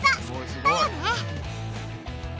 だよね